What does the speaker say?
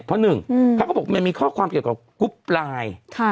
เพราะหนึ่งเขาก็บอกมันมีข้อความเกี่ยวกับกรุ๊ปไลน์